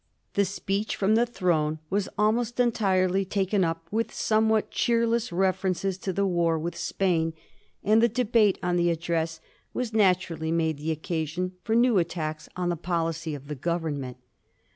The speech from the throne was almost entirely taken up with somewhat cheer less references to the war with Spain, and the debate on 1749. PULTENEY'S ATTEMPT TO REFER 187 the address was naturally made the occasion for new at tacks on the policy of the Government.